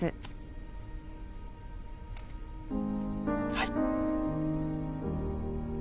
はい。